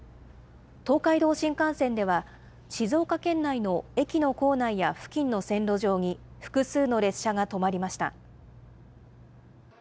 東海道新幹線では、静岡県内の駅の構内や付近の線路上に複数の列車が止まりました。